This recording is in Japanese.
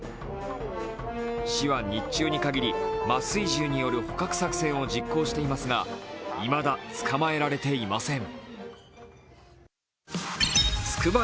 市は日中に限り、麻酔銃による捕獲作戦を実行していますが、いまだ捕まえられていません。